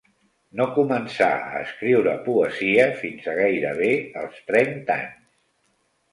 No començà a escriure poesia fins a gairebé els trenta anys.